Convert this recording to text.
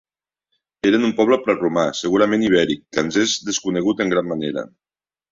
Eren un poble preromà, segurament ibèric, que ens és desconegut en gran manera.